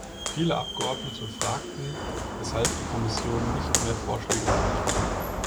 Viele Abgeordnete fragten, weshalb die Kommission nicht mehr Vorschläge vorlegt.